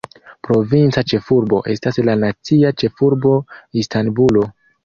Provinca ĉefurbo estas la nacia ĉefurbo Istanbulo.